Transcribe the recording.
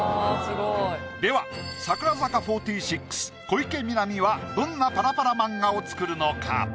では櫻坂４６・小池美波はどんなパラパラ漫画を作るのか？